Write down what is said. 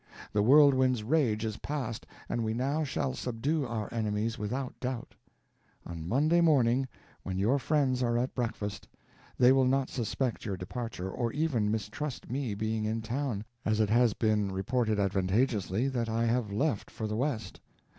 The whirlwind's rage is past, and we now shall subdue our enemies without doubt. On Monday morning, when your friends are at breakfast, they will not suspect your departure, or even mistrust me being in town, as it has been reported advantageously that I have left for the west.